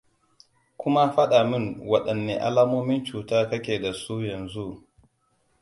kuma fada min wadanne alamomin cuta ka ke da su yanzu?